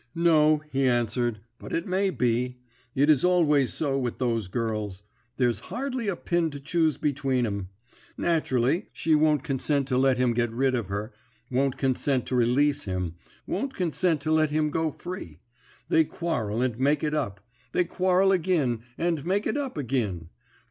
"'No,' he answered, 'but it may be. It is always so with those girls; there's hardly a pin to choose between 'em. Naturally, she won't consent to let him get rid of her won't consent to release him won't consent to let him go free. They quarrel, and make it up. They quarrel agin, and make it up agin.